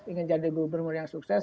ingin jadi gubernur yang sukses